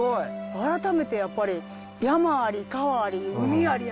改めてやっぱり山あり川あり海ありやね！